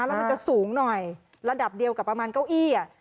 แล้วมันจะสูงหน่อยระดับเดียวกับประมาณเก้าอี้อ่ะ